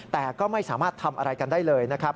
แต่ก็ไม่สามารถทำอะไรกันได้เลยนะครับ